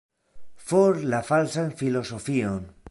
For la falsan filozofion!